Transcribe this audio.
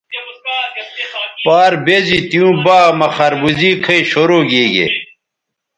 پار بیزی تیوں باغ مہ خربوزے کھئ شروع گیگے